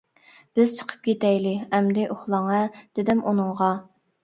-بىز چىقىپ كېتەيلى، ئەمدى ئۇخلاڭ ھە، -دېدىم ئۇنىڭغا.